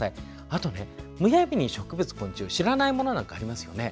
あと、むやみに植物、昆虫知らないものもありますよね。